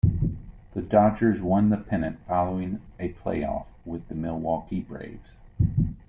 The Dodgers won the pennant following a playoff with the Milwaukee Braves.